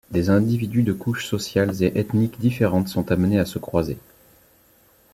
Des individus de couches sociales et ethniques différentes sont amenés à se croiser.